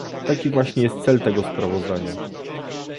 Taki właśnie jest cel tego sprawozdania